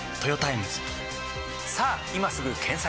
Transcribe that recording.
さぁ今すぐ検索！